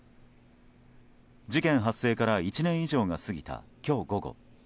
事件発生から１年以上が過ぎた今日午後。